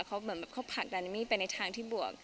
เขาผลักแอมมี่ไปในทางที่บวก